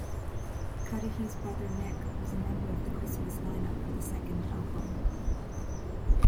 Cudahy's brother Nick was a member of the Christmas lineup for the second album.